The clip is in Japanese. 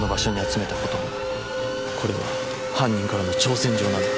これは犯人からの挑戦状なんだ。